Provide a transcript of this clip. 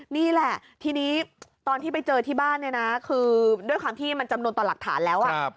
นี่แหละทีนี้ตอนที่ไปเจอที่บ้านเนี่ยนะคือด้วยความที่มันจำนวนต่อหลักฐานแล้ว